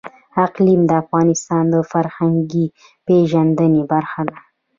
اقلیم د افغانانو د فرهنګي پیژندنې برخه ده.